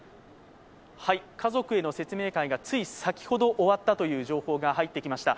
家族への説明会がつい先ほど終わったという情報が入ってきました。